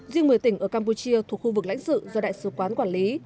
riêng một mươi tỉnh ở campuchia thuộc khu vực lãnh sự do đại sứ quán quản lý